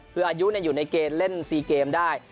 คืออายุอยู่ในเกณฑ์เล่น๔เกมได้